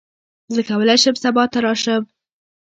زه کولی شم سبا ته راشم.